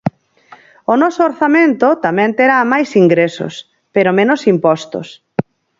O noso orzamento tamén terá máis ingresos, pero menos impostos.